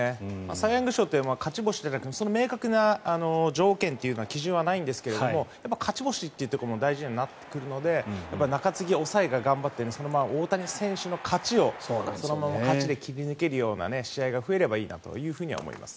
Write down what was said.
サイ・ヤング賞って勝ち星とか明確な条件、基準はないんですが勝ち星も大事になってくるので中継ぎ、抑えが頑張ってそのまま大谷選手の勝ちをそのまま勝ちで決め抜ける試合が増えればいいなと思います。